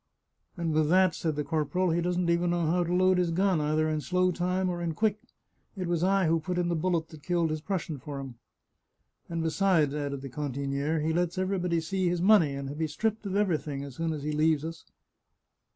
"" And with that," said the corporal, " he doesn't even know how to load his gun, either in slow time or in quick ! It was I who put in the bullet that killed his Prussian for him." " And, besides," added the cantiniere, " he lets everybody see his money, and he'll be stripped of everything as soon as he leaves us."